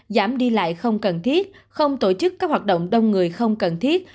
giảm đi lại không cần thiết không tổ chức các hoạt động đông người không cần thiết